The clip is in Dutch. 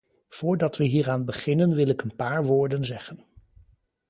Voordat we hieraan beginnen wil ik een paar woorden zeggen.